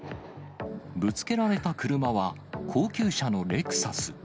ぶつけられた車は、高級車のレクサス。